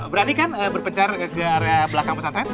berani kan berpencar di area belakang pesantren